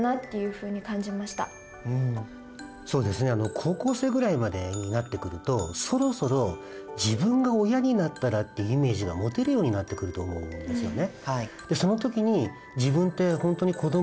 高校生ぐらいまでになってくるとそろそろ自分が親になったらってイメージが持てるようになってくると思うんですよね。